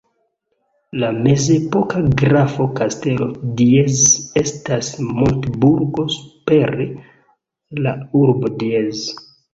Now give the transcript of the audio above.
La mezepoka grafa kastelo Diez estas montburgo super la urbo Diez.